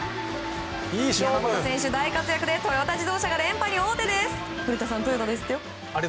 山本選手の大活躍でトヨタ自動車が連覇に大手です。